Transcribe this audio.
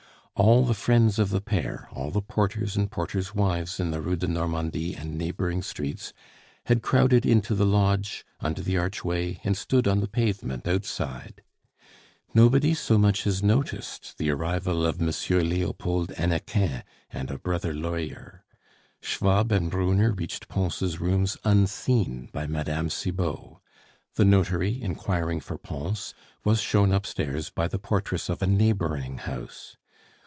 All the friends of the pair, all the porters and porters' wives in the Rue de Normandie and neighboring streets, had crowded into the lodge, under the archway, and stood on the pavement outside. Nobody so much as noticed the arrival of M. Leopold Hannequin and a brother lawyer. Schwab and Brunner reached Pons' rooms unseen by Mme. Cibot. The notary, inquiring for Pons, was shown upstairs by the portress of a neighboring house.